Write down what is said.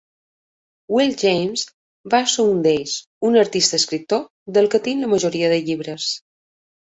Will James va ser un d'ells, un artista-escriptor del que tinc la majoria de llibres.